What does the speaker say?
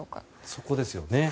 そこですよね。